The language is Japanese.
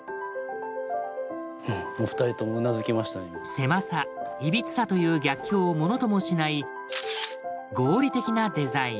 狭さ歪さという逆境をものともしない合理的なデザイン。